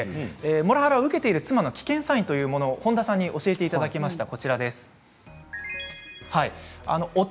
モラハラを受けている妻の危険サインを本田さんに教えていただきました。